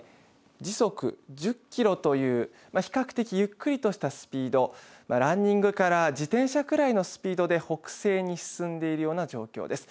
時速１０キロという比較的ゆっくりとしたスピードランニングから自転車ぐらいのスピードで北西に進んでいるような状況です。